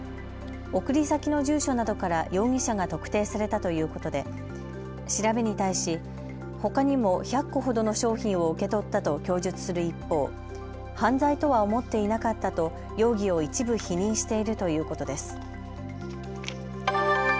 送り先の住所などから容疑者が特定されたということで調べに対し、ほかにも１００個ほどの商品を受け取ったと供述する一方、犯罪とは思っていなかったと容疑を一部否認しているということです。